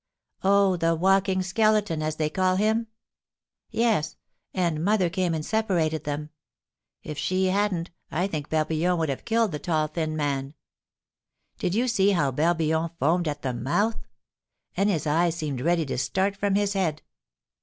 "Oh, the walking skeleton, as they call him? Yes; and mother came and separated them; if she hadn't, I think Barbillon would have killed the tall, thin man. Did you see how Barbillon foamed at the mouth? and his eyes seemed ready to start from his head.